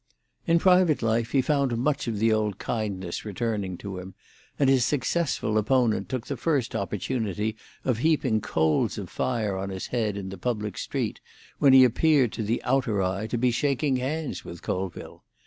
In private life he found much of the old kindness returning to him; and his successful opponent took the first opportunity of heaping coals of fire on his head in the public street, when he appeared to the outer eye to be shaking hands with Colville.